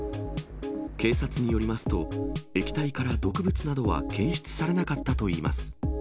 警察によりますと、液体から毒物などは検出されなかったといいます。